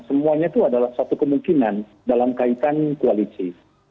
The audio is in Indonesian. semuanya itu adalah satu kemungkinan dalam kaitan koalisi